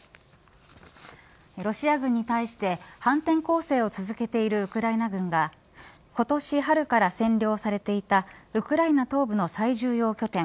ロシア軍に対して反転攻勢を続けているウクライナ軍が今年春から占領されていたウクライナ東部の最重要拠点